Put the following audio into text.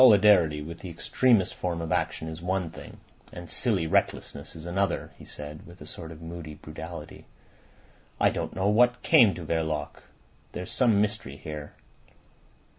"Solidarity with the extremest form of action is one thing, and silly recklessness is another," he said, with a sort of moody brutality. "I don't know what came to Verloc. There's some mystery there.